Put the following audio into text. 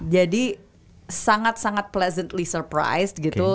jadi sangat sangat pleasantly surprise gitu